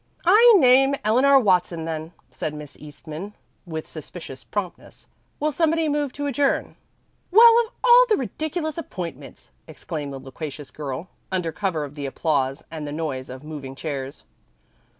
"I name Eleanor Watson, then," said Miss Eastman with suspicious promptness. "Will somebody move to adjourn?" "Well, of all ridiculous appointments!" exclaimed the loquacious girl under cover of the applause and the noise of moving chairs.